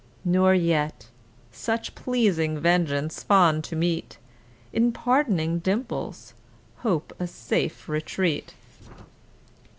Nor yet, such pleasing vengeance fond to meet, In pard'ning dimples hope a safe retreat.